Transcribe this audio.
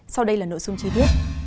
sau đây là nội dung chi tiết